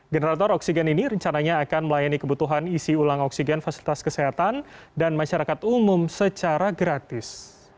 generator oksigen ini rencananya akan melayani kebutuhan isi ulang oksigen fasilitas kesehatan dan masyarakat umum secara gratis